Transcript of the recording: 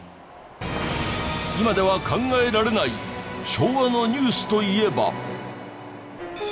今では考えられない昭和のニュースといえば。